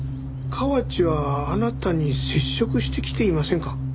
河内はあなたに接触してきていませんか？